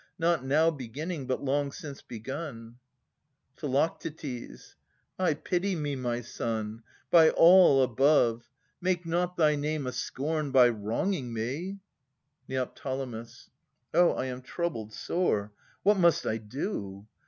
Not now beginning, but long since begun. Phi. Ay, pity me, my son ! by all above, Make not thy name a scorn by wronging me ! Ned. O ! I am troubled sore. What must I do